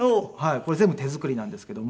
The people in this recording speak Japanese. これ全部手作りなんですけども。